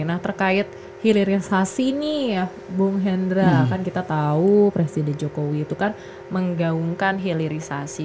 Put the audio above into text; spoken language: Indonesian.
nah terkait hilirisasi nih ya bung hendra kan kita tahu presiden jokowi itu kan menggaungkan hilirisasi